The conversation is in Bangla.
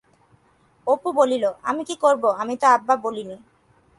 অপু বলিল, আমি কি করবো, আমি তো আব্ব বলিনি।